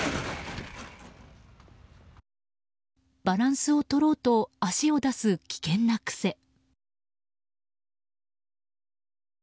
バランスを取ろうと足を出す危険な癖。